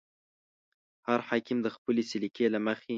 هر حاکم د خپلې سلیقې له مخې.